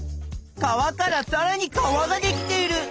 川からさらに川ができている！